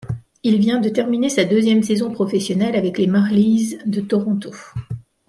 Il vient de terminer sa deuxième saison professionnelle avec les Marlies de Toronto.